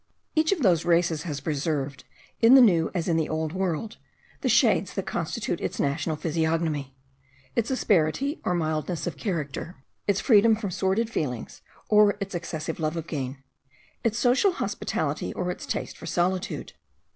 Each of those races has preserved, in the New as in the Old World, the shades that constitute its national physiognomy; its asperity or mildness of character; its freedom from sordid feelings, or its excessive love of gain; its social hospitality, or its taste for solitude.